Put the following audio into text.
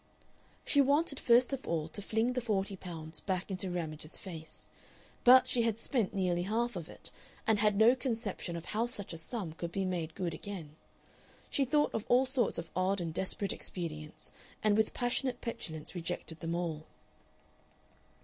She wanted first of all to fling the forty pounds back into Ramage's face. But she had spent nearly half of it, and had no conception of how such a sum could be made good again. She thought of all sorts of odd and desperate expedients, and with passionate petulance rejected them all.